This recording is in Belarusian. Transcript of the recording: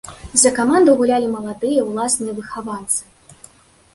За каманду гулялі маладыя ўласныя выхаванцы.